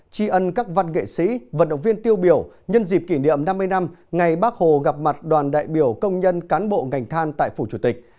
tri ân các văn nghệ sĩ vận động viên tiêu biểu nhân dịp kỷ niệm năm mươi năm ngày bác hồ gặp mặt đoàn đại biểu công nhân cán bộ ngành than tại phủ chủ tịch